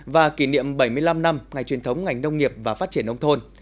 và kỷ niệm bảy mươi năm năm ngày truyền thống ngành nông nghiệp và phát triển nông thôn